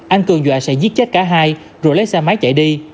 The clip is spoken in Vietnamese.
anh cường dọa sẽ giết chết cả hai rồi lấy xe máy chạy đi